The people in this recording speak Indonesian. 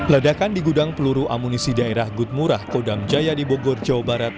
ledakan di gudang peluru amunisi daerah good murah kodam jaya di bogor jawa barat